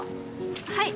はい。